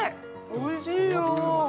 おいしいよ辻君。